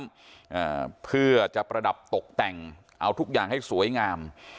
อ่าเพื่อจะประดับตกแต่งเอาทุกอย่างให้สวยงาม